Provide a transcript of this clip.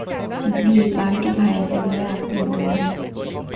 জি, বান্টি-ভাইয়া, যেভাবে আপনি বলবেন।